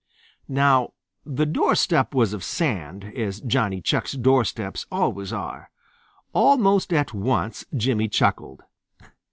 Now the doorstep was of sand, as Johnny Chuck's doorsteps always are. Almost at once Jimmy chuckled.